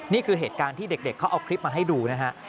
นี่คือเหตุการณ์ที่เด็กเขาเอาคลิปมาให้ดูนะฮะ